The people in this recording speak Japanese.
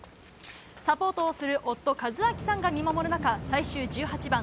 サポートをする夫・和晃さんが見守るなか、最終１８番。